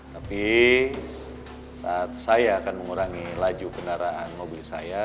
tapi saat saya akan mengurangi laju kendaraan mobil saya